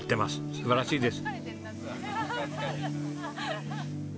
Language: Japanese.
素晴らしいです。